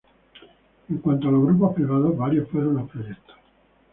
En cuanto a los grupos privados, varios fueron los proyectos.